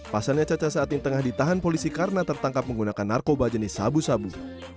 pasalnya caca saat ini tengah ditahan polisi karena tertangkap menggunakan narkoba jenis sabu sabu